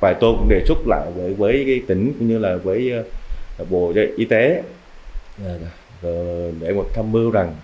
vài tôi cũng đề xuất lại với tỉnh như là với bộ y tế để một thâm mưu rằng